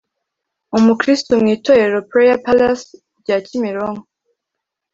umukristo mu itorero Prayer Palace rya Kimironko